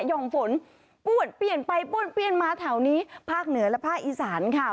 ่อมฝนป้วนเปลี่ยนไปป้วนเปลี่ยนมาแถวนี้ภาคเหนือและภาคอีสานค่ะ